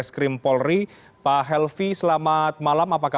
selamat malam mas